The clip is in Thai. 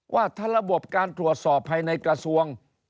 ว่าถ้าระบบการตรวจสอบภายในกระทรวง